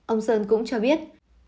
ông sơn cũng cho biết